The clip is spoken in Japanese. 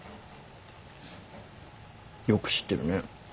よく知ってるね。